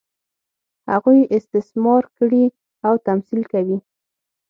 هغوی استثمار کړي او تمثیل کوي.